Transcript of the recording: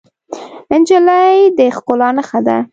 نجلۍ د ښکلا نښه ده.